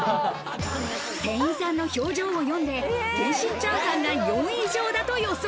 店員さんの表情を読んで天津チャーハンが４位以上だと予想。